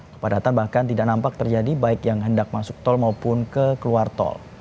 kepadatan bahkan tidak nampak terjadi baik yang hendak masuk tol maupun ke keluar tol